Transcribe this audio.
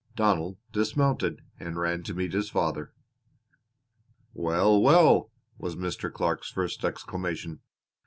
Donald dismounted and ran to meet his father. "Well, well!" was Mr. Clark's first exclamation.